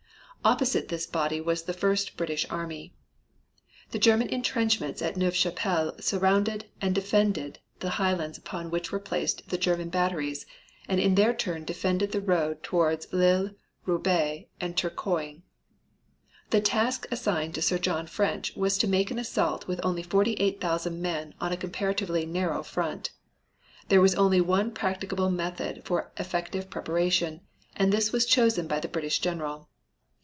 Opposite this body was the first British army. The German intrenchments at Neuve Chapelle surrounded and defended the highlands upon which were placed the German batteries and in their turn defended the road towards Lille, Roubaix and Turcoing. The task assigned to Sir John French was to make an assault with only forty eight thousand men on a comparatively narrow front. There was only one practicable method for effective preparation, and this was chosen by the British general.